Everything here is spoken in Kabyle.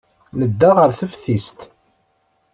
Nedda ɣer teftist.